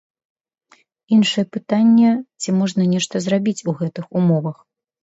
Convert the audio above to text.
Іншае пытанне, ці можна нешта зрабіць у гэтых умовах.